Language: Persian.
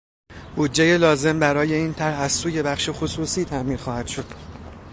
بودجهی لازم برای این طرح از سوی بخش خصوصی تامین خواهد شد.